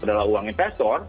padahal uang investor